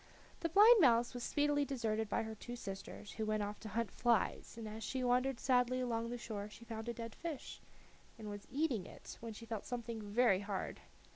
The blind mouse was speedily deserted by her two sisters, who went off to hunt flies, but as she wandered sadly along the shore she found a dead fish, and was eating it, when she felt something very hard.